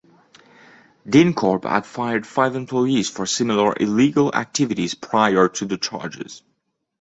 DynCorp had fired five employees for similar illegal activities prior to the charges.